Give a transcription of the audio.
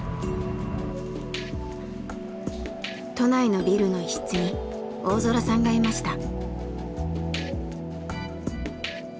都内のビルの一室に大空さんがいました。